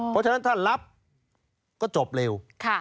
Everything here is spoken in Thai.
เพราะฉะนั้นถ้ารับก็จบเร็ว